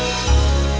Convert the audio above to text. jangan tinggalin aku ya